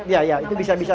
ya ya itu bisa bisa